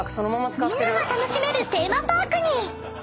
［みんなが楽しめるテーマパークに］